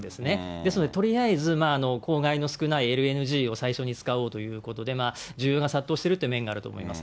ですので、とりあえず公害の少ないＬＮＧを最初に使おうということで、需要が殺到しているという面があると思います。